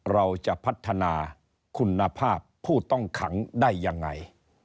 เราจะพัฒนาคุณภาพผู้ต้องขังได้ยังไง